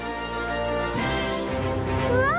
うわ！